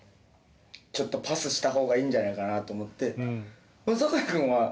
ちょっとパスした方がいいんじゃないかなと思って。